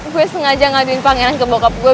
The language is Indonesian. gue sengaja ngaduin pangeran ke bokap gue